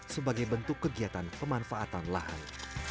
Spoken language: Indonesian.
sebagai bentuk kegiatan pemanfaatan lahan